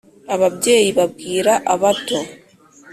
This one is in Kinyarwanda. (ababyeyi) babwira abato.